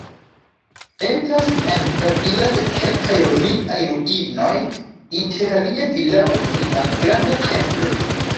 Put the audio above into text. Estas en la vilaĝo kelkaj romiaj ruinoj, interalie vilao kaj malgranda templo.